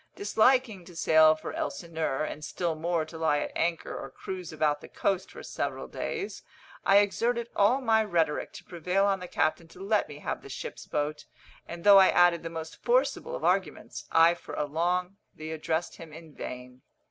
Disliking to sail for Elsineur, and still more to lie at anchor or cruise about the coast for several days, I exerted all my rhetoric to prevail on the captain to let me have the ship's boat, and though I added the most forcible of arguments, I for a long time addressed him in vain.